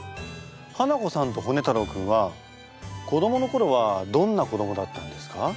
ハナコさんとホネ太郎君は子どものころはどんな子どもだったんですか？